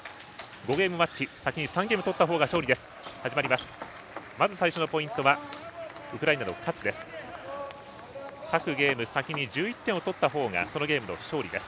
５ゲームマッチ先に３ゲームとったほうが勝利です。